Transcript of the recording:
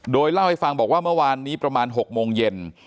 โดยเล่าให้ฟังบอกว่าเมื่อวานนี้ประมาณ๖โมงเย็น